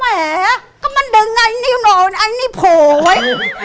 แม่อะก็เงดอันนี่อ้อยนี่พ่อไว้